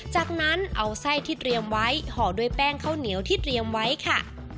จากนั้นเอาไส้ที่เตรียมไว้ห่อด้วยแป้งข้าวเหนียวที่เตรียมไว้ค่ะ